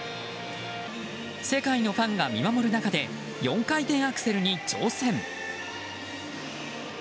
世界のファンが見守る中で４回転アクセルに挑戦。